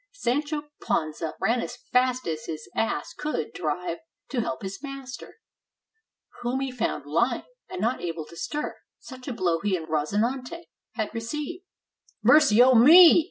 Sancho Panza ran as fast as his ass could drive to help his master, whom he found lying, and not able to stir, such a blow he and Rozinante had received. "Mercy o' me!"